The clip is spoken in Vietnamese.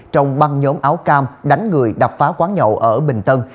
trong băng nhóm áo cam đánh người đập phá quán nhậu ở bình tân